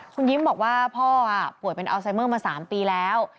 คุณยิ้มบอกว่าพ่อป่วยเป็นอัลไซเมอร์มา๓ปีแล้ว